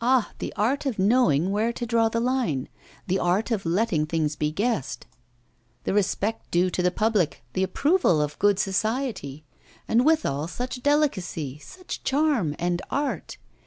Ah! the art of knowing where to draw the line, the art of letting things be guessed, the respect due to the public, the approval of good society! And withal such delicacy, such charm and art!